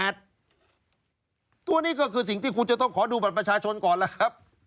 ตัวนี้ก็คือสิ่งที่คุณจะต้องขอดูบัตรประชาชนก่อนล่ะครับ